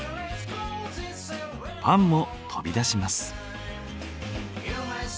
パンも飛び出します。